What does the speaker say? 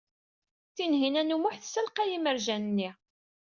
Tinhinan u Muḥ tessalqey imerjan-nni.